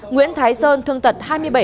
nguyễn thái sơn thương tật hai mươi bảy